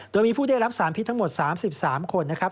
โดยมีผู้ได้รับสารพิษทั้งหมด๓๓คนนะครับ